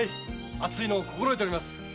熱いのを心得ております。